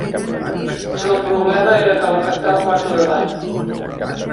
Però el problema era calefactar el quarto de bany.